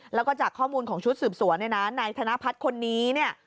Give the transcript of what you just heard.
แล้วก็จากข้อมูลของชุดสืบสวนเนี่ยนะนายธนพัฒน์คนนี้เนี่ย